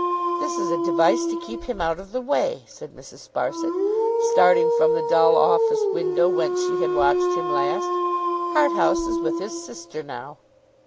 'This is a device to keep him out of the way,' said Mrs. Sparsit, starting from the dull office window whence she had watched him last. 'Harthouse is with his sister now!